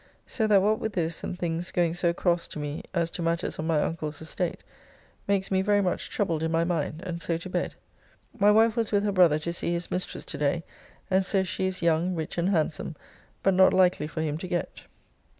So that what with this and things going so cross to me as to matters of my uncle's estate, makes me very much troubled in my mind, and so to bed. My wife was with her brother to see his mistress today, and says she is young, rich, and handsome, but not likely for him to get.